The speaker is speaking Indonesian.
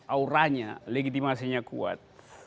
auranya legitimasinya kuat